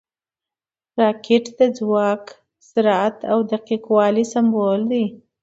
راکټ د ځواک، سرعت او دقیق والي سمبول دی